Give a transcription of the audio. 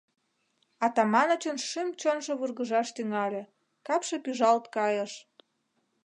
Атаманычын шӱм-чонжо вургыжаш тӱҥале, капше пӱжалт кайыш.